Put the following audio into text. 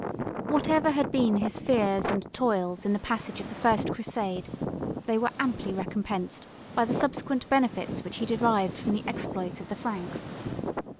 Whatever had been his fears and toils in the passage of the first crusade, they were amply recompensed by the subsequent benefits which he derived from the exploits of the Franks.